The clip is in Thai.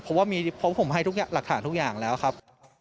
เพราะว่าผมให้ทุกหลักฐานทุกอย่างแล้วครับ